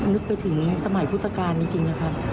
นึกไปถึงสมัยพุทธกาลจริงนะคะ